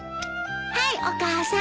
はいお母さん。